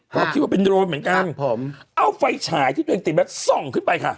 ขอบคิดว่าเป็นโดนเหมือนกันเอาไฟฉายตรงจะติดตรงส่องขึ้นไปค่ะ